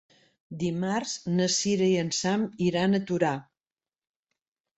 Dimarts na Cira i en Sam iran a Torà.